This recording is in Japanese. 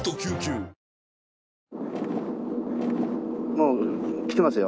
もうきてますよ